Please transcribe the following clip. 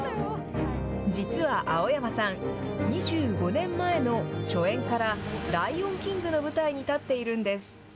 実は青山さん、２５年前の初演からライオンキングの舞台に立っているんです。